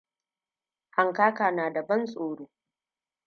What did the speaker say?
Hankaka na da ban tsoro.